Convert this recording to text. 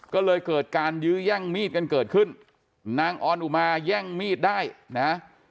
ก็เลยเกิดการยื้อแย่งมีดกันเกิดขึ้นนางออนอุมาแย่งมีดได้นะ